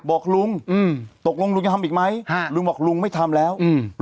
บอกลุงอืมตกลงลุงจะทำอีกไหมฮะลุงบอกลุงไม่ทำแล้วอืม